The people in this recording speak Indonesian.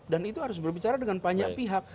dan itu harus berbicara dengan banyak pihak